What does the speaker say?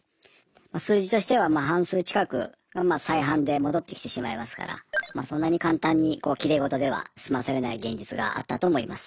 数字としては半数近くが再犯で戻ってきてしまいますからそんなに簡単にきれい事では済まされない現実があったと思います。